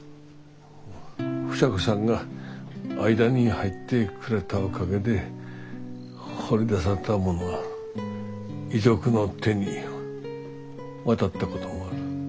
房子さんが間に入ってくれたおかげで掘り出せたものが遺族の手に渡ったこともある。